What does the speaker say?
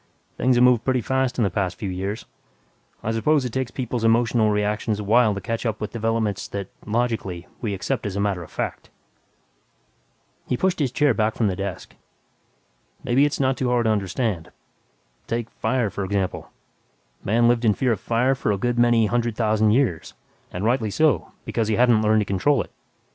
Things have moved pretty fast in the past few years. I suppose it takes people's emotional reactions a while to catch up with developments that, logically, we accept as matter of fact." He pushed his chair back from the desk, "Maybe it's not too hard to understand. Take 'fire' for example: Man lived in fear of fire for a good many hundred thousand years and rightly so, because he hadn't learned to control it.